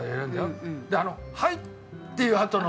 あの「はい」っていうあとの。